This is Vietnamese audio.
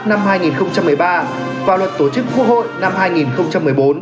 năm hai nghìn một mươi ba và luật tổ chức quốc hội năm hai nghìn một mươi bốn